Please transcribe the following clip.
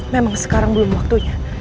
memang sekarang belum waktunya